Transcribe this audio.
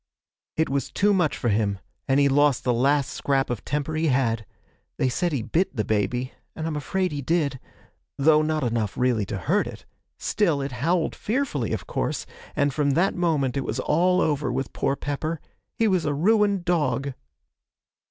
'It was too much for him, and he lost the last scrap of temper he had. They said he bit the baby, and I'm afraid he did though not enough really to hurt it; still, it howled fearfully, of course, and from that moment it was all over with poor Pepper he was a ruined dog!